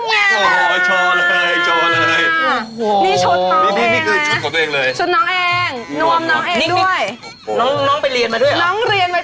นี่คุณจะมาสอนเลยเหรอ